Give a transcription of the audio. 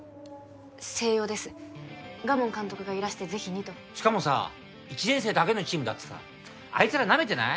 星葉です賀門監督がいらしてぜひにとしかもさ１年生だけのチームだってさあいつらなめてない？